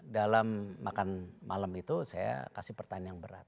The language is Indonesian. dalam makan malam itu saya kasih pertanyaan